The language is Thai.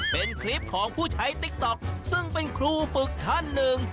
เป็นคลิปของผู้ใช้ติ๊กต๊อกซึ่งเป็นครูฝึกท่านหนึ่ง